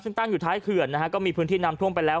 ซึ่งตั้งอยู่ท้ายเขื่อนนะฮะก็มีพื้นที่นำท่วมไปแล้ว